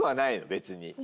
別に。